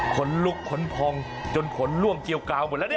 ขนลุกขนพองจนขนล่วงเกียวกาวหมดแล้วเนี่ย